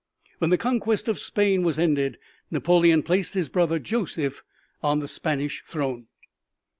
When the conquest of Spain was ended Napoleon placed his brother, Joseph, on the Spanish throne.